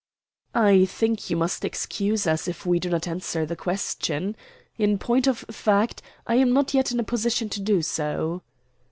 "I think you must excuse us if we do not answer the question. In point of fact, I am not yet in a position to do so."